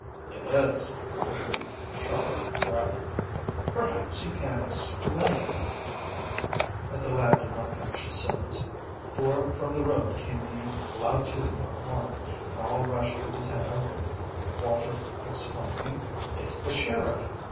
"It is," agreed Charley dryly. "Perhaps you can explain " But the lad did not finish his sentence, for from the road came the loud tooting of a horn, and all rushed for the tent opening, Walter exclaiming, "It's the sheriff."